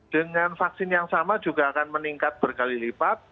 dengan vaksin yang sama juga akan meningkat berkali lipat